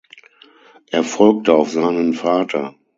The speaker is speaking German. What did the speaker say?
Er folgte auf seinen Vater.